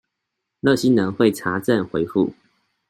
熱心人會查證回覆